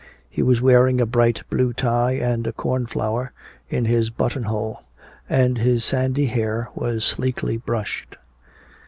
He was wearing a bright blue tie and a cornflower in his buttonhole, and his sandy hair was sleekly brushed.